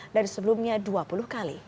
dari sebelumnya dua puluh kali